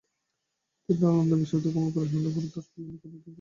তিনি নালন্দা বিশ্ববিদ্যালয় গমন করে শান্তকরগুপ্ত এবং দশবলের নিকট অধ্যয়ন করেন।